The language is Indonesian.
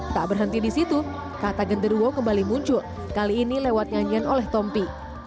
tak berhenti di situ kata genderuwo kembali muncul kali ini lewat nyanyian oleh tompi